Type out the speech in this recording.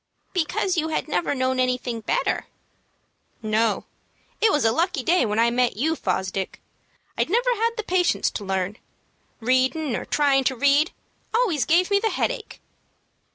"Because you had never known anything better." "No. It was a lucky day when I met you, Fosdick. I'd never have had the patience to learn. Readin', or tryin' to read, always gave me the headache."